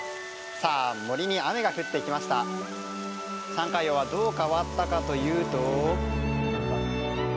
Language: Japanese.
サンカヨウはどう変わったかというと？